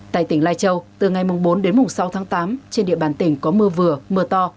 tại tỉnh lai châu từ ngày bốn đến sáu tháng tám trên địa bàn tỉnh có mưa vừa mưa to